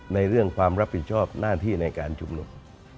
ในเรื่องความรับผิดชอบหน้าที่ในการชุมนุม